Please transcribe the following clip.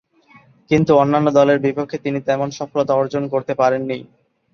কিন্তু অন্যান্য দলের বিপক্ষে তিনি তেমন সফলতা অর্জন করতে পারেননি।